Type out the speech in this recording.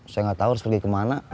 saya gak tau harus pergi kemana